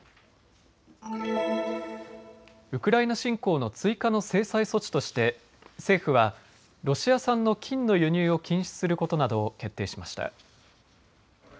ウクライナ侵攻の追加の制裁措置として政府はロシア産の金の輸入を禁止することなどを決定しました。